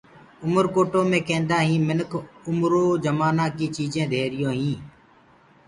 اُمرڪوٽو مي ڪيندآئين منک اُمرو جمآنآ ڪي چيجين ڌيريون هين